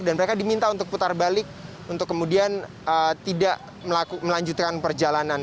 dan mereka diminta untuk putar balik untuk kemudian tidak melanjutkan perjalanan